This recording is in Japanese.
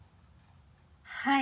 はい。